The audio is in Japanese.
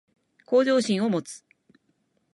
向上心を持つ